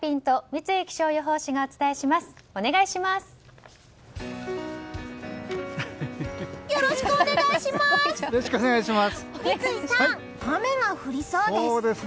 三井さん、雨が降りそうです。